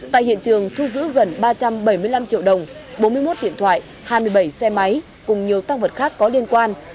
tại hiện trường thu giữ gần ba trăm bảy mươi năm triệu đồng bốn mươi một điện thoại hai mươi bảy xe máy cùng nhiều tăng vật khác có liên quan